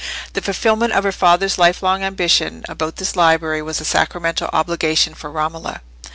The fulfilment of her father's lifelong ambition about this library was a sacramental obligation for Romola.